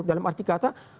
dalam arti kata